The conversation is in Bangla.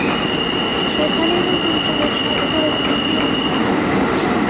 সেখানেই নতুন চুলের সাজ করেছেন প্রিয়াঙ্কা।